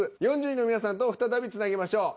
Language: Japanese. ４０人の皆さんと再びつなぎましょう。